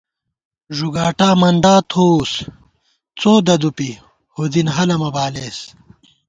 ݫُگاٹا مندا تھووُس څو ددُوپی ہُودِن ہَلہ مہ بالېس